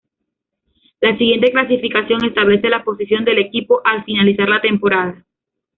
La siguiente clasificación establece la posición del equipo al finalizar la temporada